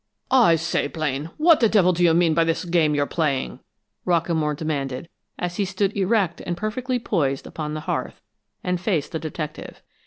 "I say, Blaine, what the devil do you mean by this game you're playing?" Rockamore demanded, as he stood erect and perfectly poised upon the hearth, and faced the detective.